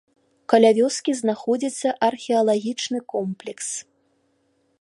Каля вёскі знаходзіцца археалагічны комплекс.